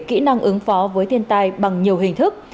kỹ năng ứng phó với thiên tai bằng nhiều hình thức